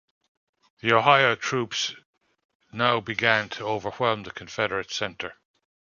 The Ohio troops now began to overwhelm the Confederate center.